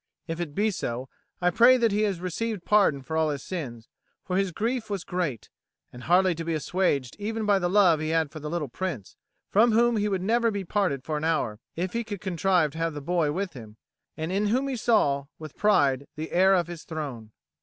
If it be so, I pray that he has received pardon for all his sins; for his grief was great, and hardly to be assuaged even by the love he had for the little Prince, from whom he would never be parted for an hour, if he could contrive to have the boy with him, and in whom he saw, with pride, the heir of his throne.